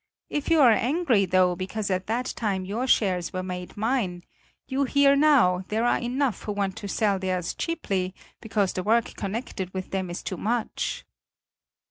If you are angry, though, because at that time your shares were made mine you hear now, there are enough who want to sell theirs cheaply, because the work connected with them is too much."